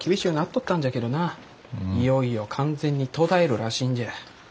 いよいよ完全に途絶えるらしいんじゃ。